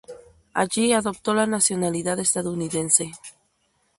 Allí adoptó la nacionalidad estadounidense.